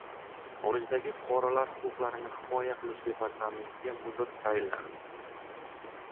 Xorijdagi fuqarolar huquqlarini himoya qilish departamentiga mudir tayinlandi